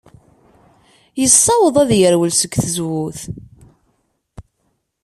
Yessaweḍ ad yerwel seg tzewwut.